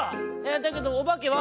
「だけどおばけは？」。